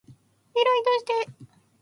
リライトして